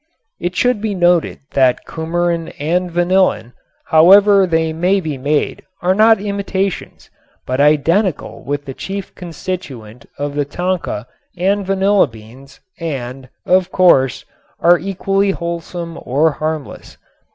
It should be noted that cumarin and vanillin, however they may be made, are not imitations, but identical with the chief constituent of the tonka and vanilla beans and, of course, are equally wholesome or harmless.